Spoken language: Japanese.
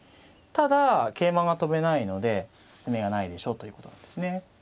ただ桂馬が跳べないので攻めがないでしょうということなんですね。